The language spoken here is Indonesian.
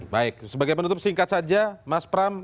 baik sebagai penutup singkat saja mas pram